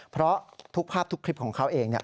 เพราะทุกภาพทุกคลิปของเขาเอง